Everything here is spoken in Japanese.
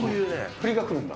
振りが来るんだ。